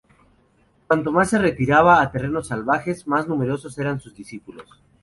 Cuanto más se retiraba a terrenos salvajes, más numerosos eran sus discípulos.